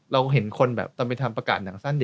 เราเห็นคนแบบตอนไปทำประกาศหนังสั้น